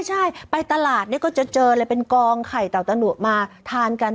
ใช่ไปตลาดเนี่ยก็จะเจอเลยเป็นกองไข่เต่าตะหนุมาทานกัน